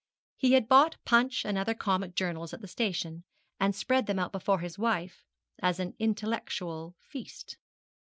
He had bought Punch and other comic journals at the station, and spread them out before his wife as an intellectual feast.